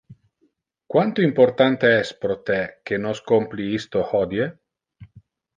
Quanto importante es pro te que nos compli isto hodie?